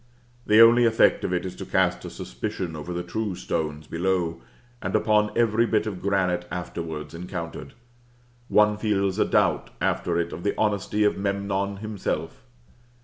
The only effect of it is to cast a suspicion upon the true stones below, and upon every bit of granite afterwards encountered. One feels a doubt, after it, of the honesty of Memnon himself.